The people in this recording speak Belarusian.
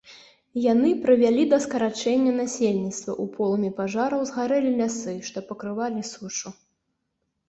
Яны прывялі да скарачэння насельніцтва, у полымі пажараў згарэлі лясы, што пакрывалі сушу.